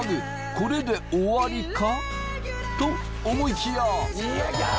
これで終わりか？と思いきや。